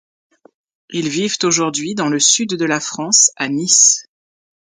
Ils vivent aujourd'hui dans le sud de la France à Nice.